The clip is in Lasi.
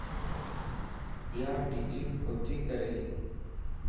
ايا ٽيچنگ ڪوتي ڪري